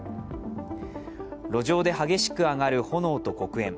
路上で激しく上がる炎と黒煙。